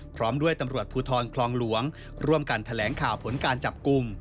พร้อมด้วยตำรวจภูทรคลองหลวงร่วมกันแถลงข่าวผลการจับกลุ่ม